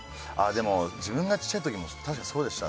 でも自分が小さい時も多分そうでした。